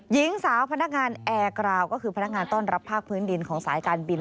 หญิงสาวพนักงานแอร์กราวก็คือพนักงานต้อนรับภาคพื้นดินของสายการบิน